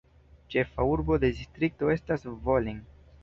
Ĉefa urbo de distrikto estas Zvolen.